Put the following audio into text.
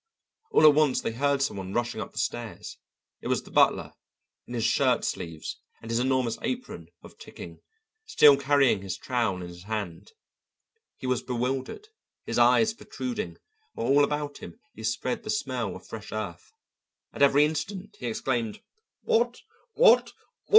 All at once they heard some one rushing up the stairs. It was the butler, in his shirt sleeves and his enormous apron of ticking, still carrying his trowel in his hand. He was bewildered, his eyes protruding, while all about him he spread the smell of fresh earth. At every instant he exclaimed: "What? What?